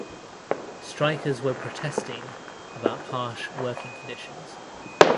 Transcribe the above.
Strikers were protesting about harsh working conditions.